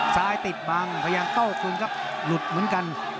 ติดบังพยายามโต้คืนครับหลุดเหมือนกัน